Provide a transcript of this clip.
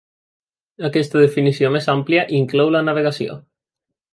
Aquesta definició més àmplia inclou la navegació.